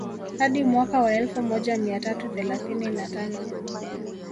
Hadi mwaka wa elfu moja mia tatu thelathini na tano